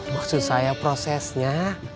maksud saya prosesnya